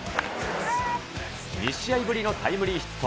２試合ぶりのタイムリーヒット。